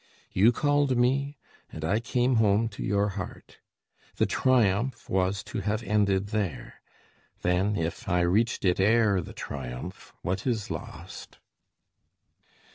You called me, and I came home to your heart. The triumph was to have ended there; then, if I reached it ere the triumph, what is lost?